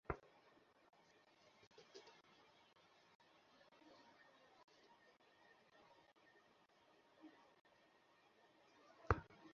মিরপুর বেড়িবাঁধ এলাকায় সম্প্রতি গ্রামীণ আবহ নিয়ে চালু হয়েছে ভর্তা-ভাতের রেস্তোরাঁ—সরাইখানা।